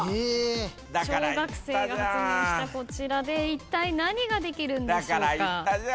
小学生が発明したこちらでいったい何ができるんでしょうか？